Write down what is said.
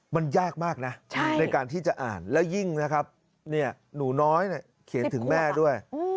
มันยากมากนะในการที่จะอ่านและยิ่งนะครับหนูน้อยเขียนถึงแม่ด้วย